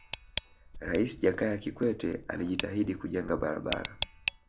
raisi jakaya kikwete alijitahidi kujenga barabara